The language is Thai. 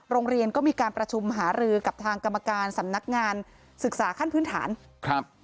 โรงเรียนก็มีการประชุมหารือกับทางกรรมการสำนักงานศึกษาขั้นพื้นฐานครับ